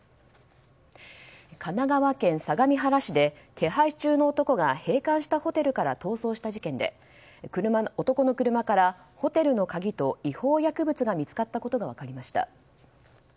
神奈川県相模原市で手配中の男が閉館したホテルから逃走した事件で男の車からホテルの鍵と違法薬物が見つかったことが分かりました。